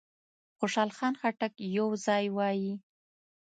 خوشحال خټک یو ځای وایي.